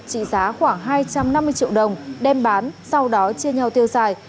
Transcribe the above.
trị giá khoảng hai trăm năm mươi triệu đồng đem bán sau đó chia nhau tiêu xài